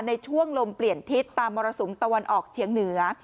ในช่วงลมเปลี่ยนทิศตามมรสุมตะวันออกเฉียงเหนือ